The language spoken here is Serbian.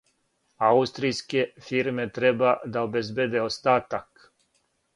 Аустријске фирме треба да обезбеде остатак.